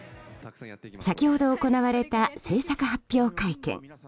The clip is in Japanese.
先ほど行われた制作発表会見。